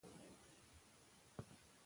د ازادۍ ارزښت یوازې ازاد خلک پوهېږي.